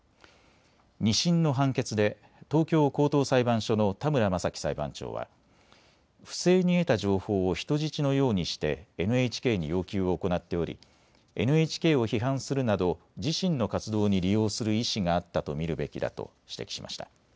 ２審の判決で東京高等裁判所の田村政喜裁判長は不正に得た情報を人質のようにしてＮＨＫに要求を行っておりＮＨＫを批判するなど自身の活動に利用する意思があったと見るべきだと指摘しました。